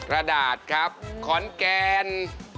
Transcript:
ระดาษครับขอนแกน